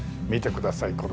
見てください。